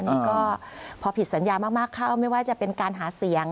นี่ก็พอผิดสัญญามากเข้าไม่ว่าจะเป็นการหาเสียง